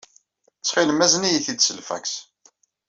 Ttxil-m, azen-iyi-t-id s lfaks.